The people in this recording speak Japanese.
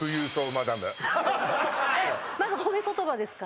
まず褒め言葉ですか？